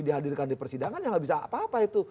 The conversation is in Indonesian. dihadirkan di persidangan ya nggak bisa apa apa itu